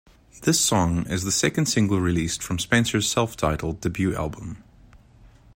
This song is the second single released from Spencer's self-titled debut album.